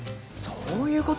そういう事！